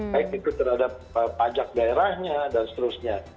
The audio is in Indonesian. baik itu terhadap pajak daerahnya dan seterusnya